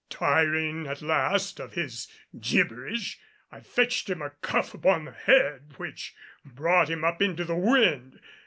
Tiring at last of his gibberish, I fetched him a cuff upon the head which brought him up into the wind.